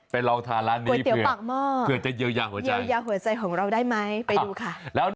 ไปลองทาร้านนี้เผื่อจะเยียวยาหัวใจของเราได้ไหมไปดูค่ะ